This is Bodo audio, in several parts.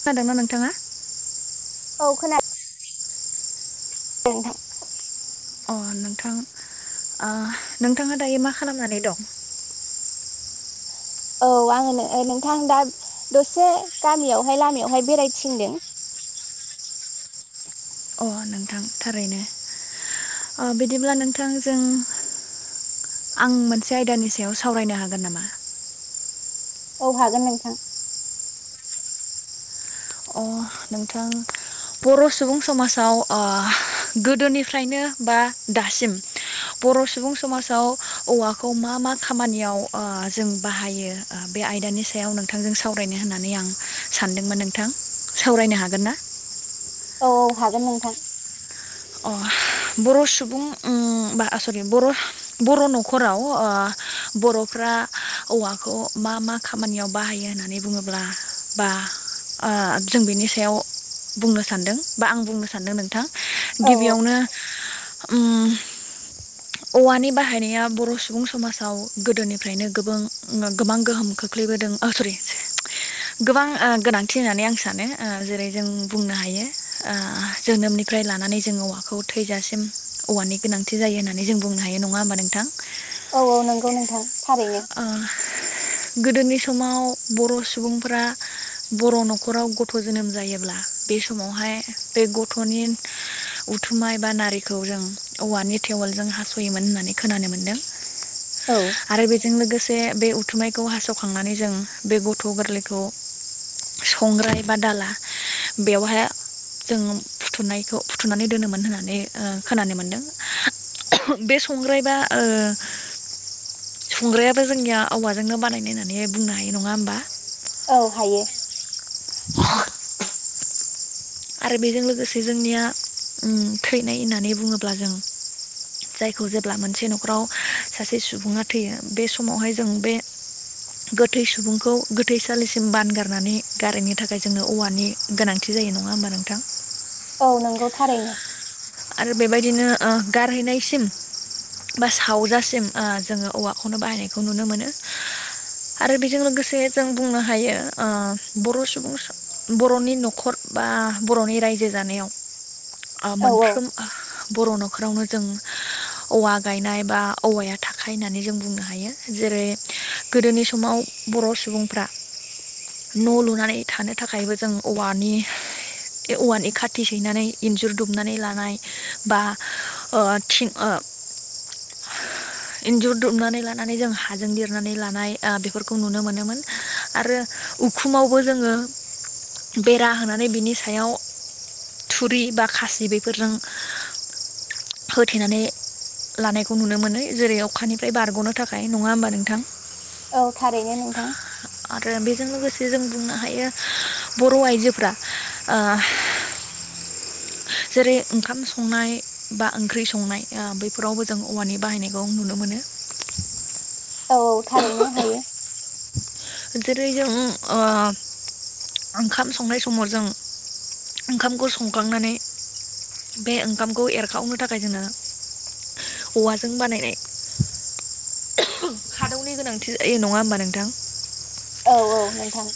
जादोंना नोंथाङा? औ खोनाद [unintelligible] अ नोंथां ओ नोंथाङा दायो मा खालामनानै दं? औ आङो नो-नोंथां दा दसे गामियावहाय लामायावहाय बेरायथिंदों। अ नोंथां थारैनो अ बिदिब्ला नोंथां जों आं मोनसे आयदानि सायाव सावरायनो हागोन नामा? औ हागोन नोंथां। अ नोंथां बर' सुबुं समाजाव ओ गोदोनिफ्रायनो बा दासिम बर' सुबुं समाजाव औवाखौ मा मा खामानियाव ओ जों बाहायो ओ बे आयदानि सायाव नोंथांजों सावरायनो होननानै आं सानदोंमोन नों थां सावरायनो हागोन ना? औ हागोन नोंथां। अ बर' सुबुं उम बा सररि बर' बर' न'खराव ओ बर'फ्रा औवाखौ मा मा खामानियाव बाहायो होननानै बुङोब्ला बा ओ जों बेनि सायाव बुंनो सानदों बा आं बुंनो सानदों नोंथां। औ गिबियावनो उम औवानि बाहायनाया बर' सुबुं समाजाव गोदोनिफ्रायनो गोबां ओ गोबां गोहोम खोख्लैबोदों ओ सररि गोबां ओ गोनांथि होननानै आं सानो ओ जेरै जों बुंनो हायो ओ जोनोमनिफ्राय लानानै जों औवाखौ थैजासिम औवानि गोनांथि जायो होननानै जों बुंनो हायो नङा होमबा नोंथां? औ औ नंगौ नोंथां। थारैनो आ। गोदोनि समाव बर' सुबुंफोरा बर' न'खराव गथ' जोनोम जायोब्ला बे समावहाय बे गथ'नि उथुमाय बा नारिखौ जों औवानि टेवलजों हास'योमोन होननानै खोनानो मोन्दों औ। से बे उथुमनायखौ हासावखांनानै जों बे गथ' गोरलैखौ संग्राय बा दाला बेयावहाय जों फुथनायखौ फुथुनानै दोनोमोन होननानै ओ खोनानो मोनदों बे संग्राय बा ओ संग्रायाबो जोंनिया औवाजोंनो बानायनाय होननानै बुंनो हायो नंङा होमबा? औ हायो। [inaudible] आरो बेजों लोगोसे जोंनिया उम थैनाय होननानै बुंङोब्ला जों जायखौ जेब्ला मोनसे न'खराव सासे सुबुंङा थैयो बे समावहाय जों बे गोथै सुबुंखौ गोथैसालिसिम बानगारनानै गारनो थाखाय जोंनो औवानि गोनांथि जायो नंङा होमबा नोंथां? औ नोंगौ थारैनो। आरो बेबायदिनो ओ गारहैनायसिम बा सावजासिम ओ जोंङो औवाखौनो बाहायनायखौ नुनो मोनो आरो बेजों लोगोसे जों बुंनो हायो ओ बर' सुबुं सं बर'नि न'खर बा बर'नि रायजो जानायाव ओ औ मोन औ फ्रोम बर' न'खरावनो जों औवा गायनाय बा औवाया थाखायो होननानै जों बुंनो हायो। जेरै गोदोनि समाव बर' सुबुंफ्रा न' लुनानै थानो थाखायबो जों औवानि औवानि खाथि सैनानै इन्जुर दुमनानै ला नाय बा ओ थिं ओ इन्जुर दुमनानै लानानै जों हाजों दिरनानै लानाय ओ बेफोरखौ नुनो मोनोमोन आरो उखुमावबो जोंङो बेरा होनानै बिनि सायाव थुरि बा खासि बेफोरजों होथेनानै लानायखौ नुनो मोनै जेरै अखानिफ्राय बारग'नो थाखाय नङा होमबा नोंथां? औ थारैनो नोंथां। आरो बेजों लोगोसे जों बुंनो हायो बर' आइजोफ्रा ओ जेरै ओंखाम संनाय बा ओंख्रि संनाय ओ बैफोरावबो जों औवानि बाहायनायखौ नुनो मोनो। औ औ थारैनो हायो। जेरै जों ओं ओ ओंखाम संनाय समाव जों ओंखामखौ संखांनानै बे ओंखामखौ एरखावनो थाखाय जोंङो औवाजों बानायनाय खादौनि गोनांथि जायो नंङा होमबा नोंथां? औ औ नोंथां।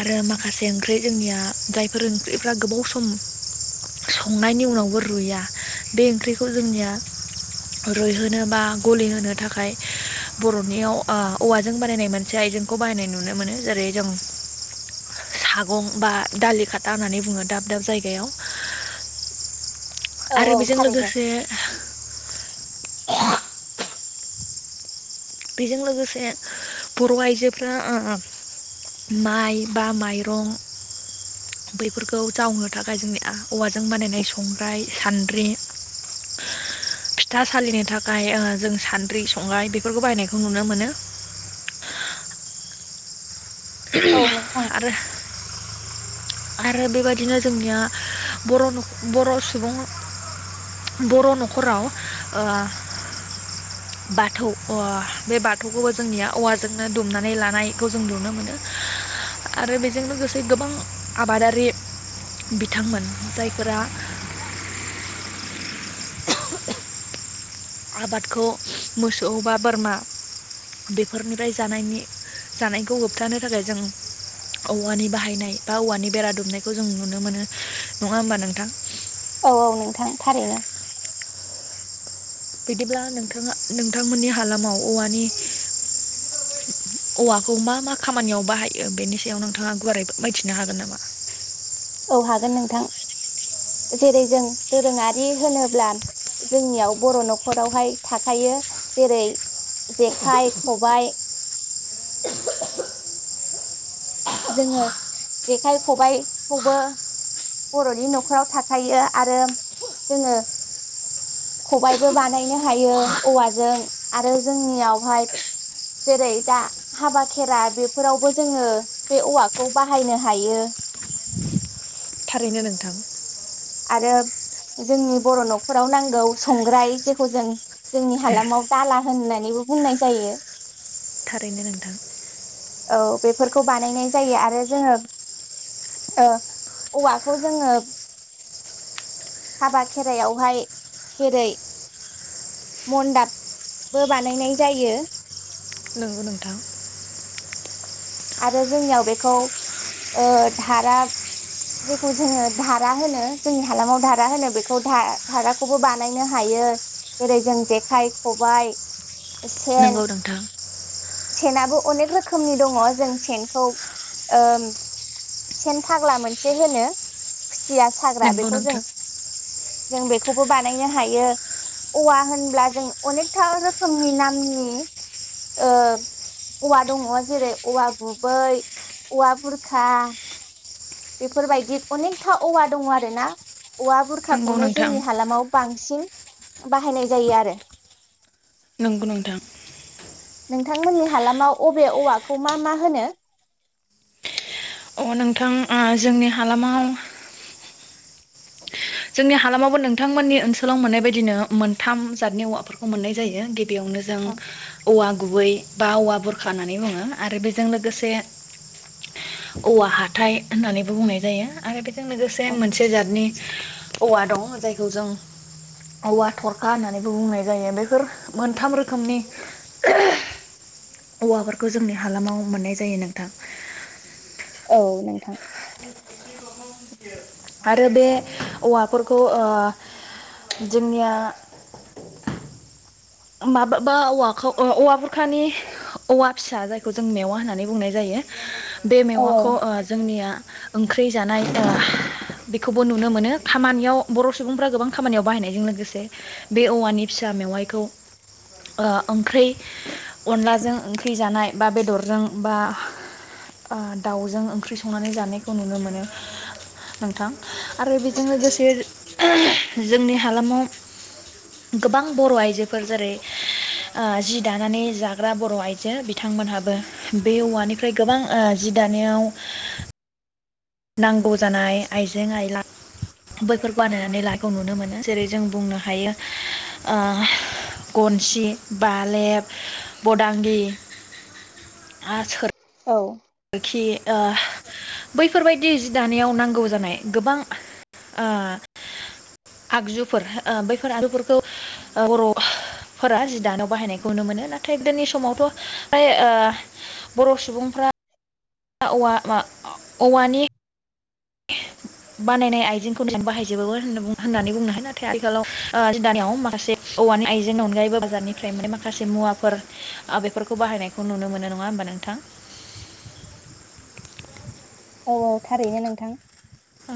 आरो माखासे ओंख्रि जोंनिया जायफोर ओंख्रिफ्रा गोबाव सम संनायनि उनावबो रुया बे ओंख्रिखौ जोंनिया रुइहोनो बा गलिहोनो थाखाय बर'नियाव ओ औवाजों बानायनाय मोनसे आइजेंखौ बाहायनाय नुनो मोनो जेरै जों सागं बा दालि खाथा होननानै बुंङो दाब दाब जायगायाव औ आरो औ बेजों थारैनो लोगोसे बेजों लोगोसे बर' आइजोफ्रा ओम माइ बा माइरं बैफोरखौ जावनो थाखाय जोंनि मा औवाजों बानायनाय संग्राय सान्द्रि फिथा सालिनो थाखाय ओ जों सान्द्रि संग्राय बेफोरखौ बायनायखौ नुनो मोनो औ नोंथां आरो आरो बेबदिनो जोंनिया बर' न'ख बर' सुबुं बर' न'खराव ओ बाथौ ओ बाथौखौबो जोंनिया औवाजोंनो दुमनानै लानायखौ जों नुनो मोनो आरो बेजों लोगोसे गोबां आबादारि बिथांमोन जायफोरा आबादखौ मोसौ बा बोरमा बेफोरनिफ्राय जानायनि जानायखौ होबथानो थाखाय जों औवानि बाहायनाय बा औवानि बेरा दुमनायखौ जों नुनो मोनो नंङा होमबा नोंथां? औ औ नोंथां थारैनो। बिदिब्ला नोंथांङा नोंथांमोननि हालामाव औवानि औवाखौ मा मा खामानियाव बाहायो बेनि सायाव नोंथांङा गुवारै मिथिनो हागोन नामा? औ हागोन नोंथां, जेरै जों दोरोंङारि होनोब्ला जोंनियाव बर' न'खरावहाय थाखायो जेरै जेखाइ खबाइ जोंङो जेखाइ खबायाइखौबो बर'नि न'खराव थाखायो आरो जोंङो खबायबो बानायनो हायो औवाजों आरो जोंनियावहाय जेरै दा हाबा खेरा बेफोरावबो जोंङो बे औवाखौ बाहायनो हायो थारैनो नोंथां। आरो जोंनि बर' न'खराव नांगौ संग्राय जेखौ जों जोंनि हालामाव दाला होननानैबो बुंनाय जायो। थारैनो नोंथां। औ, बेफोरखौ बानायनाय जायो आरो जोंङो ओ औवाखौ जोंङो हाबा खेराइायावहाय जेरै मनदाबबो बानायनाय जायो। नोंगौ नोंथां आरो जोंनियाव बेखौ धारा जेखौ जोंङो धारा होनो जोंनि हालामाव धारा होनो बेखौ धाराखौबो बानायनो हायो जेरै जों जेखाइ खबाय। सेन नंगौ नोंथां सेनाबो अनेक रोखोमनि दङ। जों सेनखौ ओ सेन फाग्ला मोनसे होनो। खुसिया साग्रा नंगौ बेखौ जों नोंथां जों बेखौबो बानायनो हायो औवा होनब्ला जों अनेकथा रोखोमनि नामनि ओ औवा दङ जेरै औवा गुबै औवा बुरखा बेफोरबायदि अनेकथा औवा दङ आरोना औवा नंगौ बुरखाखौनो नोंथां जोंनि हालामाव बां बांसिन बाहायनाय जायो आरो नंगौ नोंथां नोंथांमोननि हालामाव अबे औवाखौ मा मा होनो? अ नोंथां ओ जोंनि हालामाव जोंनि हालामावबो नोंथांमोननि ओनसोलाव मोननाय बायदिनो मोनथाम जादनि औवाफोरखौ मोननाय जायो। बेयावनो जों औवा गुबै बा औवा बुरखा होननानै बुङो। आरो बेजों लोगोसे औवा हाथाय होननानैबो बुंनाय जायो आरो बे जों लोगोसे मोनसे जातनि औवा दं जायखौ जों औवा थरखा होननानैबो बुंनाय जायो बेफोर मोनथाम रोखोमनि औवाफोरखौ जोंनि हालामाव मोननाय जायो नोंथां। औ नोंथां आरो बे औवाफोरखौ ओ जोंनिया माबा बा औवाखौ औवा बुरखानि औवा फिसा जायखौ जों मेवा होननानै बुंनाय जायो। बे औ मेवाखौ ओ जोंनिया ओंख्रि जानाय बेखौबो नुनो मोनो खामानियाव बर' सुबुंफ्रा गोबां खामानियाव बाहायनायजों लोगोसे बे औवानि फि फिसा मेवाइखौ ओंख्रि अनलाजों ओंख्रि जानाय बा बेदरजों बा ओ दाउजों ओंख्रि संनानै जानायखौ नुनो मोनो। नोंथां आरो बेजों लोगोसे जोंनि हालामाव गोबां बर' आइजो फोर जेरै जि दानानै जाग्रा बर' आइजो बिथांमोनहाबो बे औवानिफ्राय गोबां जि दानायाव नांगौ जानाय आइजें आइला बैफोर बानायनानै लाखौ नुनो मोनो। जेरै जों बुंनो हायो ओ गनसि बालेब बदांगि आरो सोर औ आरोखि ओ बैफोरबायदि जि दानायाव नांगौ जानाय गोबां ओ आगजुफोर ओ बैफोर आगजुफोरखौ ओ बर'फोरा जि दानायाव बाहायनायखौ नुनो मोनो नाथाय गोदोनि समावथ' फ्राय ओ बर' सुबुंफ्रा औवा औवानि बानायनाय आइजेंखौ नों बाहायजोबो होन होननानै बुंनो हायो। नाथाय आथिखालाव दानियाव माखासे औवानि आइजेंनि अनगायैबो बाजारनिफ्राय माने माखासे मुवाफोर बेफोरखौ बाहायनायखौ नुनो मोनो नङा होमबा नोंथां। औ औ थारैनो नोंथां‌ ओ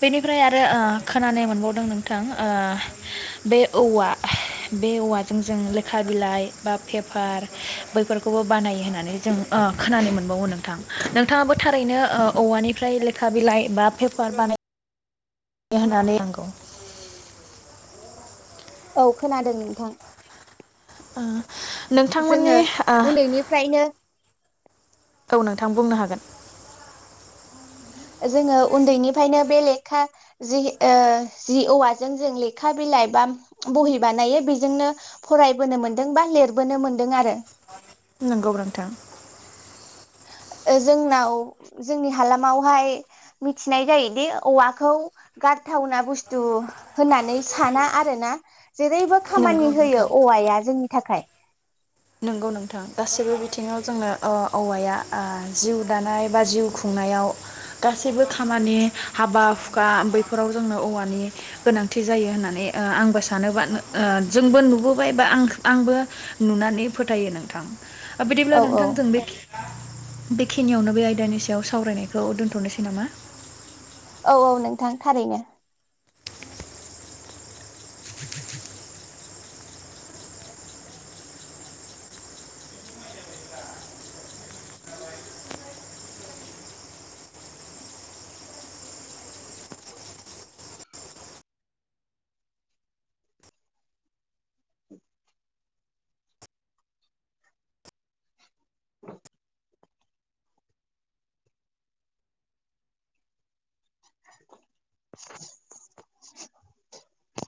बेनिफ्राय आरो ओ खोनानाय मोनबावदों नोंथां ओ बे औवा बे औवाजों जों लेखा बिलाइ बा पेपार बैफोरखौबो बानायो होननानै जों ओ खोनानो मोनबावो नोंथां। नोंथाङाबो थारैनो औवानिफ्राय लेखा बिलाइ बा फेफार माने होनानै नंगौ औ खोनादों नोंथां ओ जोङो नोंथांमोननि ओ उन्दैनिफ्रायनो औ नोंथां बुंनो हागोन जोङो उन्दैनिफ्रायनो बे लेखा जि जि औवाजों जों लेखा बिलाइ बा बहि बानायो बेजोंनो फरायबोनो मोनदों बा लिरबोनो मोनदों आरो नंगौ ब्रा नोंथां ओ जोंनाव जोंनि हालाम आवहाय मिथिनाय जायोदि औवाखौ गारथावना बुस्थु होननानै साना आरो ना जेरैबो नंगौ खामानि होयो नोंथां औवाया जोंनि थाखाय नंगौ नोंथां गासैबो बिथिङाव जोंनो ओ औवाया ओ जिउ दानाय बा जिउ खुंनायाव गा सैबो खामानि हाबा हुखा बेैफोराव जोंनो औवानि गोनांथि जायो होननानै ओ आंबो सानोबा ओ जोंबो नुबोबाय बा आं- आंबो नुनानै फोथायो नोंथां बिदिब्ला औ औ नोंथां जों बे बेखिनियावनो बे आयदानि सायाव सावरायनायखौ दोन्थ'नोसै नामा? औ औ नोंथां थारैनो [inaudible]